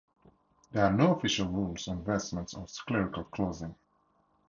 There are no official rules on vestments or clerical clothing.